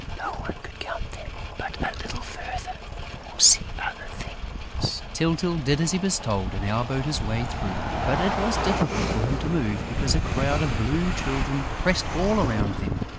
"No one could count them. But go a little further: you will see other things." Tyltyl did as he was told and elbowed his way through; but it was difficult for him to move, because a crowd of Blue Children pressed all around them.